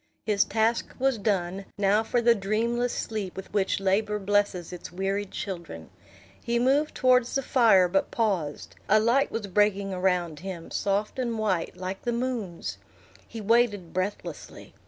His task was done; now for the dreamless sleep with which labor blesses its wearied children! He moved towards the fire, but paused; a light was breaking around him, soft and white, like the moon's. He waited breathlessly.